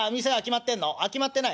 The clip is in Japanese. あっ決まってない。